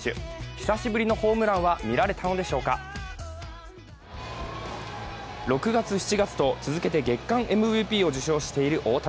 久しぶりのホームランは見られたのでしょうか６月、７月と続けて月間ＭＶＰを受賞している大谷。